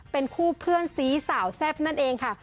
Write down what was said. เป็นคู่เพื่อนซีสาวแซ่บนั่นเองค่ะ